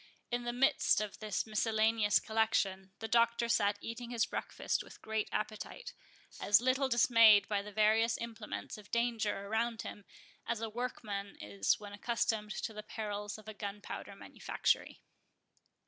In the midst of this miscellaneous collection, the Doctor sat eating his breakfast with great appetite, as little dismayed by the various implements of danger around him, as a workman is when accustomed to the perils of a gunpowder manufactory.